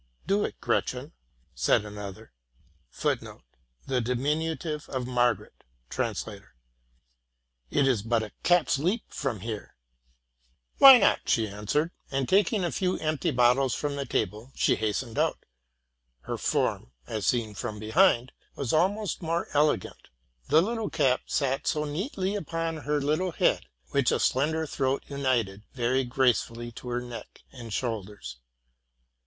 ''— Do it, Gretchen,''? said another : 1 The diminutive of Margaret. — TRANS. 138 TRUTH AND FICTION 'it is but a cat's leap from here.'? —'' Why not?'' she answered ; and, taking a few empty bottles from the table, she hastened out. Her form, as seen from behind, was almost more elegant. The little cap sat so neatly upon her little head, which a slender throat united very gracefully to her neck and shoulders.